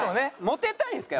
モテたいんですか？